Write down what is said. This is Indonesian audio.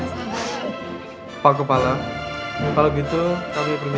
kami akan menjaga anak ini